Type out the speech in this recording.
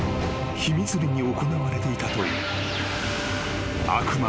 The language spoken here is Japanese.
［秘密裏に行われていたという］